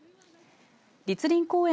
栗林公園